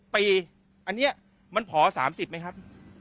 ๑๐ปีอันนี้มันผ่อ๓๐ปีครับ